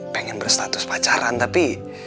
pengen berstatus pacaran tapi